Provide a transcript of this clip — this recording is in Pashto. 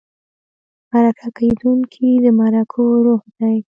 مرکه کېدونکی د مرکو روح دی.